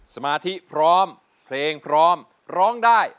สมาธิพร้อมเพลงพร้อมร้องได้